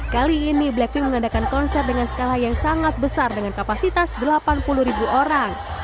kali ini blackpink mengadakan konser dengan skala yang sangat besar dengan kapasitas delapan puluh ribu orang